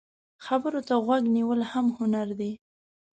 خبرو ته غوږ نیول هم هنر دی